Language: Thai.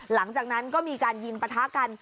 หลังจากนั้นก็มีการยิงปะทะกัน